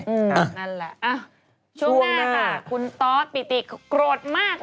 ช่วงหน้าค่ะคุณต๊อตปีธิกโกรธมาก